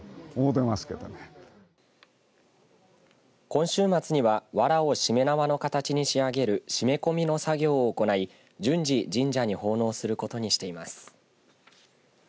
今週末にはわらをしめ縄の形に仕上げる締め込みの作業を行い順次、神社に奉納することにしています。